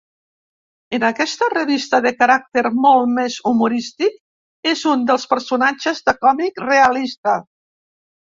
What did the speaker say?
En aquesta revista de caràcter molt més humorístic, és un dels personatges de còmic realista.